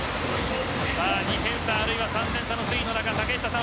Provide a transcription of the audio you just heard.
２点差あるいは３点差の推移の中竹下さん